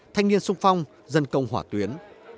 thanh niên sung phong dân công hỏa tuyến